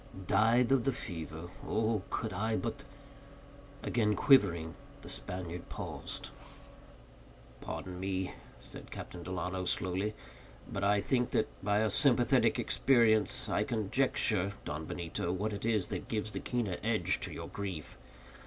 "Died of the fever. Oh, could I but—" Again quivering, the Spaniard paused. "Pardon me," said Captain Delano, lowly, "but I think that, by a sympathetic experience, I conjecture, Don Benito, what it is that gives the keener edge to your grief.